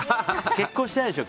結婚してないでしょ。